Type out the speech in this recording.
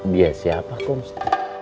dia siapa komstu